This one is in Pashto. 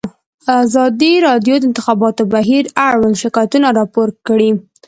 ازادي راډیو د د انتخاباتو بهیر اړوند شکایتونه راپور کړي.